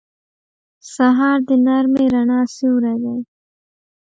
سهار د نرمې رڼا سیوری دی.